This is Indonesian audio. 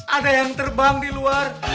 ada yang terbang di luar